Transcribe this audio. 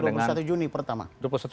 dua puluh satu juni pertama